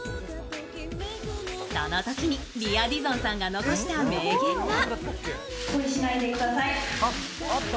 そのときにリア・ディゾンさんが残した名言が。